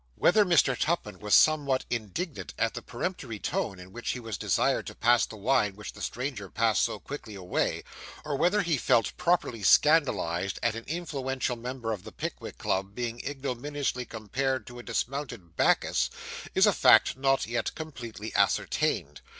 Whether Mr. Tupman was somewhat indignant at the peremptory tone in which he was desired to pass the wine which the stranger passed so quickly away, or whether he felt very properly scandalised at an influential member of the Pickwick Club being ignominiously compared to a dismounted Bacchus, is a fact not yet completely ascertained.